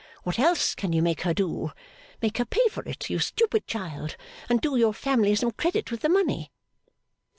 What else can you make her do? Make her pay for it, you stupid child; and do your family some credit with the money!